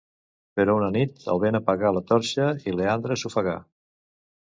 Però una nit el vent apagà la torxa i Leandre s'ofegà.